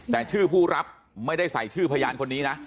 แต่ชื่อผู้รับไม่ได้ใส่ชื่อพยานคนนี้นะ